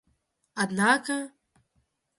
однако